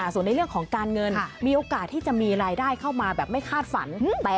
ส่วนในเรื่องของการเงินมีโอกาสที่จะมีรายได้เข้ามาแบบไม่คาดฝัน